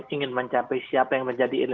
ingin mencapai siapa yang menjadi